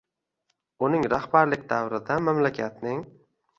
Uning rahbarlik davrida mamlakatning